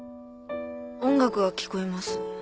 音楽が聞こえます。